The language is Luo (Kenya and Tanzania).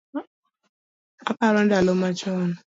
Aparo ndalo machon